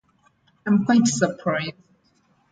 I am quite surprised.